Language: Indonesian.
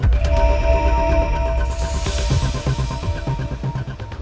mana bisa dia neror aku pak